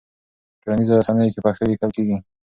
په ټولنيزو رسنيو کې پښتو ليکل کيږي.